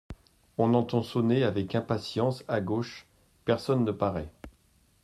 On entend sonner avec impatience à gauche, personne ne paraît.